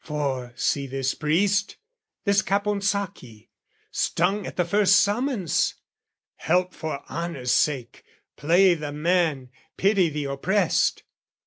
For see this priest, this Caponsacchi, stung At the first summons, "Help for honour's sake, "Play the man, pity the oppressed!"